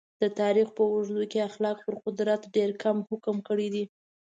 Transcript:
د تاریخ په اوږدو کې اخلاق پر قدرت ډېر کم حکم کړی دی.